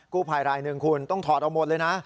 ภายรายหนึ่งคุณต้องถอดเอาหมดเลยนะ